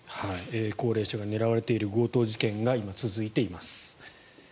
高齢者が狙われている強盗事件が今、続いています。